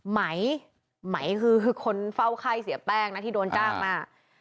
ไหมไหมคือคนเฝ้าไข้เสียแป้งนะที่โดนจ้างมา